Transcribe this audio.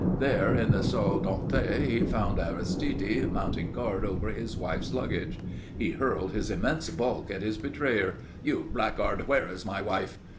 There, in the salle d'attente, he found Aristide mounting guard over his wife's luggage. He hurled his immense bulk at his betrayer. "You blackguard! Where is my wife?"